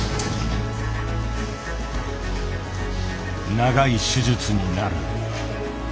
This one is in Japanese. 「長い手術になる」。